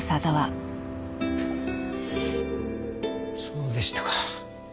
そうでしたか。